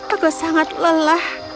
aku sangat lelah